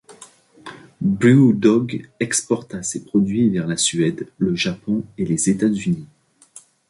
BrewDog exporta ses produits vers la Suède, le Japon et les États-Unis.